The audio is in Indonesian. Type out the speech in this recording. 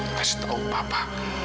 kasih tau papa